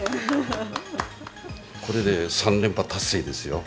これで３連覇達成ですよ。